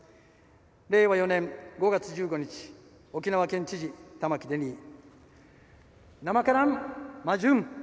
令和４年５月１５日沖縄県知事、玉城デニー。